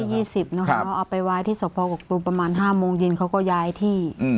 ก็จับไปวันที่๒๐นะคะเขาเอาไปไว้ที่สพกตูมประมาณ๕โมงเย็นเขาก็ย้ายที่